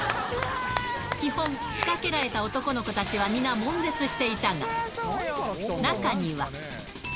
基本、仕掛けられた男の子たちは皆もん絶していたが、中には。